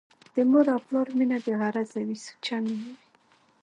د مور او پلار مينه بې غرضه وي ، سوچه مينه وي